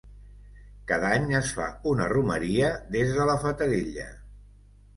Cada any es fa una romeria des de la Fatarella.